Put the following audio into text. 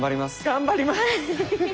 頑張ります！